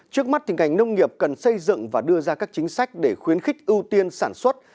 trước mắt thì ngành nông nghiệp cần xây dựng và đưa ra các chính sách để khuyến khích ưu tiên sản xuất